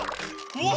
うわ！